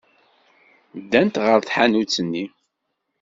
Ddant ɣer tḥanut-nni.